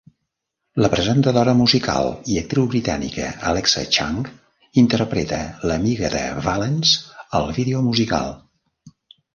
La presentadora musical i actriu britànica Alexa Chung interpreta l'amiga de Valance al vídeo musical.